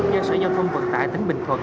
do sở giao thông vận tải tỉnh bình thuận